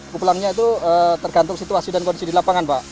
pulangnya itu tergantung situasi dan kondisi di lapangan pak